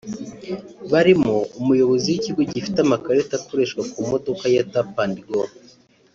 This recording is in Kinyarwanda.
barimo Umuyobozi w’Ikigo gifite amakarita akoreshwa ku modoka ya Tap&Go